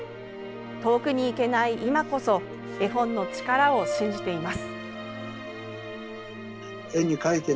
遠くに行けない今こそ絵本の力を信じています。